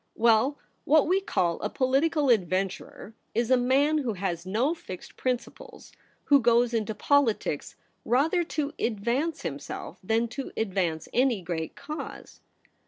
' Well, what we call a political adventurer is a man who has no fixed principles ; who goes into politics rather to advance himself than to advance any great cause.'